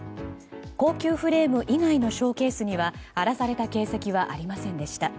高級フレーム以外のショーケースには荒らされた形跡はありませんでした。